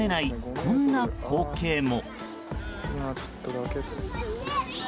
こんな光景も。